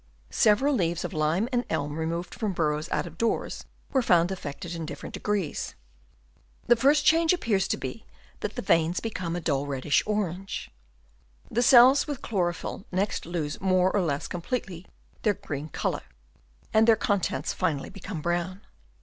Several leaves of lime and elm removed from burrows out of doors were found affected in different degrees. The first change appears to be that the veins become of a dull reddish orange. Chap.' I. FOOD AND DIGESTION. 41 The cells with chlorophyll next lose more or less completely their green colour, and their contents finally become brown.